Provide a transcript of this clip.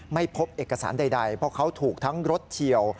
ไม่พบเอกสารใดเพราะเขาถูกทั้งรถเฉียว